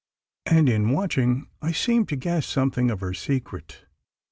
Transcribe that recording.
And in watching I seemed to guess something of her secret.